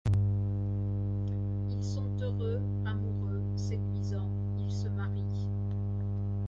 Ils sont heureux, amoureux, séduisants, ils se marient.